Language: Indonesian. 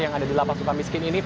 yang ada di lp sukamiskin